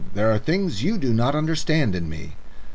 "There are things you do not understand in me."